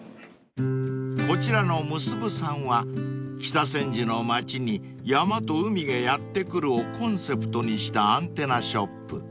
［こちらの結−ｍｕｓｕｂｕ−さんは北千住の街に山と海がやって来るをコンセプトにしたアンテナショップ］